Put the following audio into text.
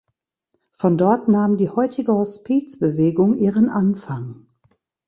Von dort nahm die heutige Hospizbewegung ihren Anfang.